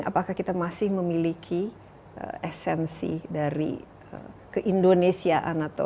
apakah kita masih memiliki esensi dari ke indonesiaan atau